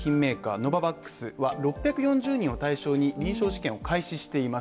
ノババックスは６４０人を対象に臨床試験を開始しています。